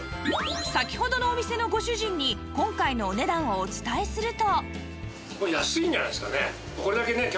先ほどのお店のご主人に今回のお値段をお伝えすると